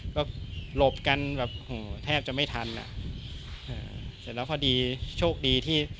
ก็หลบกันแบบโหแทบจะไม่ทันอ่ะเสร็จแล้วพอดีโชคดีที่